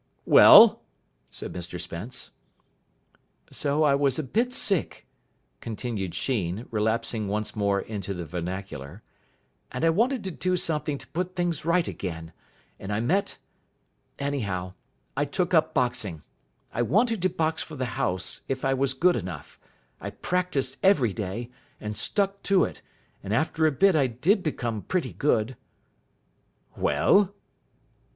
"Well?" said Mr Spence. "So I was a bit sick," continued Sheen, relapsing once more into the vernacular, "and I wanted to do something to put things right again, and I met anyhow, I took up boxing. I wanted to box for the house, if I was good enough. I practised every day, and stuck to it, and after a bit I did become pretty good." "Well?"